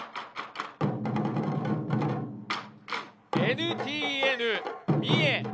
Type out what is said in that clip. ＮＴＮ・三重。